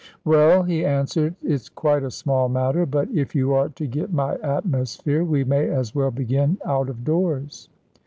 "Well," he answered, "it's quite a small matter. But, if you are to get my atmosphere, we may as well begin out of doors."